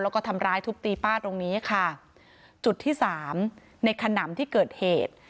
แล้วก็ทำร้ายทุบตีป้าตรงนี้ค่ะจุดที่สามในขนำที่เกิดเหตุ